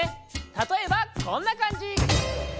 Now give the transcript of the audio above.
たとえばこんなかんじ！